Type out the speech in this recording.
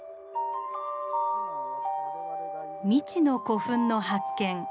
未知の古墳の発見。